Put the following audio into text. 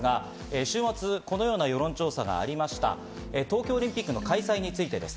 週末、このような世論調査がありました東京オリンピックの開催についてです。